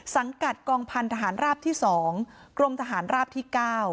สังกัดกองพันธหารราบที่๒กรมทหารราบที่๙